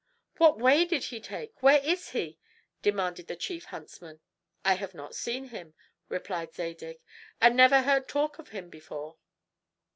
"What way did he take? where is he?" demanded the chief huntsman. "I have not seen him," replied Zadig, "and never heard talk of him before."